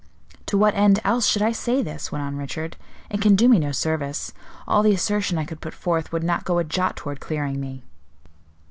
"To what end, else, should I say this?" went on Richard. "It can do me no service; all the assertion I could put forth would not go a jot toward clearing me."